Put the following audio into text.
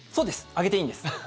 あげていいんです。